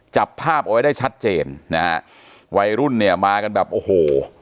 จับภาพเอาไว้ได้ชัดเจนนะฮะวัยรุ่นเนี่ยมากันแบบโอ้โห